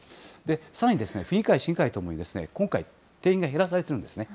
さらに府議会、市議会ともに今回、定員が減らされているんですね。